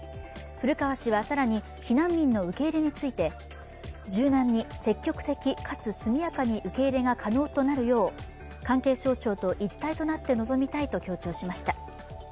古川氏は更に避難民の受け入れについて柔軟に積極的かつ速やかに受け入れが可能となるよう関係省庁と一体となって臨みたいと強調しました。